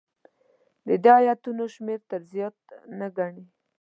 د دې ایتونو شمېر تر زیات نه ګڼي.